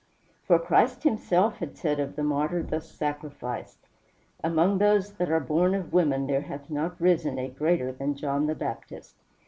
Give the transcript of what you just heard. For Christ himself had said of the martyr thus sacrificed: "Among those that are born of women there hath not risen a greater than John the Baptist."